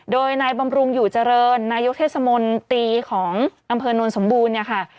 โดยนายบำรุงอยู่เจริญนายกเทศมนตรีของอำเภอนวลสมบูรณ์เนี่ยค่ะ